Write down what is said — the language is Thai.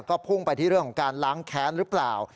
ก็พุ่งไปที่เรื่องของการล้างแค้นหรือเปล่า